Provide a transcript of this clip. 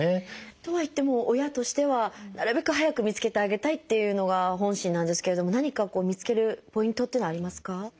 とはいっても親としてはなるべく早く見つけてあげたいっていうのが本心なんですけれども何か見つけるポイントっていうのはありますか？